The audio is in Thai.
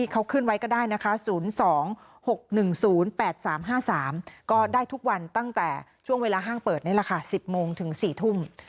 ก็ได้ทุกวันตั้งแต่ช่วงเวลาห้างเปิด๑๐โมงถึง๔ทุ่ม